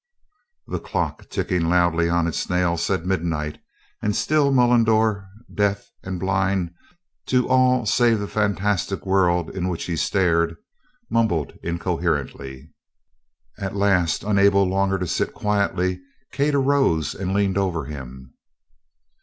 The clock, ticking loudly on its nail, said midnight, and still Mullendore, deaf and blind to all save the fantastic world into which he stared, mumbled incoherently. At last, unable longer to sit quietly, Kate arose and leaned over him.